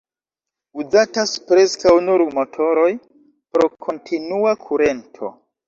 Uzatas preskaŭ nur motoroj por kontinua kurento.